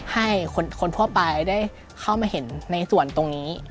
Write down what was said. ให้คนทั่วไปได้เข้ามาเห็นในส่วนตรงนี้